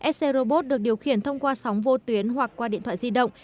sc robot được điều khiển thông qua sóng vô tuyến hoặc qua điện thoại di động